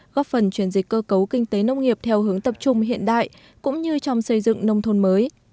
góp phần chuyển dịch cơ cấu kinh tế nông nghiệp theo hướng tập trung hiện đại cũng như trong xây dựng nông thôn mới